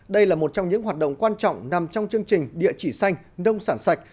đây là một trong những hoạt động quan trọng nằm trong chương trình địa chỉ xanh nông sản sạch